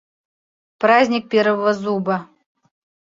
Праздник первого зуба